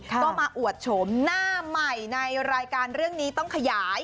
ก็มาอวดโฉมหน้าใหม่ในรายการเรื่องนี้ต้องขยาย